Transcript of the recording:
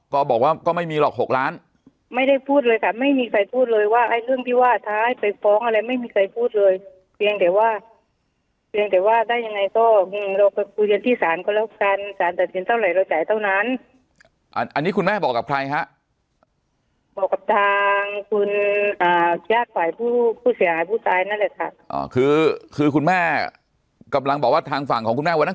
ก็สายตาไม่ค่อยจะดีตับรถตอนคืนก็คุยกันหลายครั้งแล้วตับรถตอนคืนนั้น